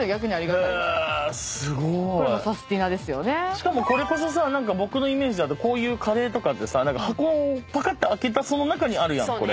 しかもこれこそさ僕のイメージだとカレーとかってさ箱をパカッと開けたその中にあるやんこれ。